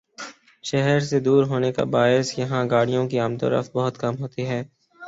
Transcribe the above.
شہر سے دور ہونے کے باعث یہاں گاڑیوں کی آمدورفت بہت کم ہوتی ہے ۔